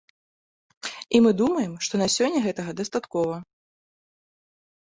І мы думаем, што на сёння гэтага дастаткова.